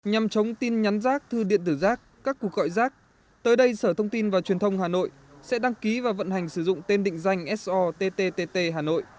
nhằm chống tin nhắn rác thư điện tử rác các cuộc gọi rác tới đây sở thông tin và truyền thông hà nội sẽ đăng ký và vận hành sử dụng tên định danh sottttt hà nội